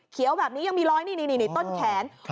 เขียวแบบนี้ยังมีรอยนี่นี่นี่ต้นแขนค่ะ